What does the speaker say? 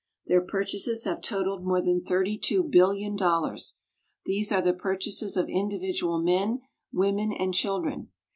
Their purchases have totaled more than thirty two billion dollars. These are the purchases of individual men, women, and children.